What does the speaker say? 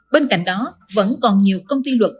bên cạnh đó vẫn còn nhiều công ty luật